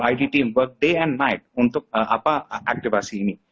ini tim work day and night untuk apa aktivasi ini